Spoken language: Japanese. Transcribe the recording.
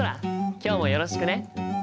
今日もよろしくね。